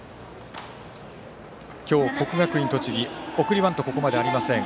今日、国学院栃木送りバントここまでありません。